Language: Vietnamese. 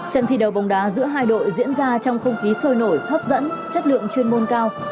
trận thi đấu bóng đá giữa hai đội diễn ra trong không khí sôi nổi hấp dẫn chất lượng chuyên môn cao